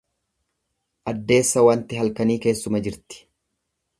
Addeessa waanti halkanii keessuma jirti.